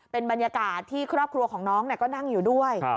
เป็นบรรยากาศที่ครอบครัวของน้องก็นั่งอยู่ด้วย